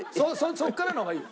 そこからの方がいいよ。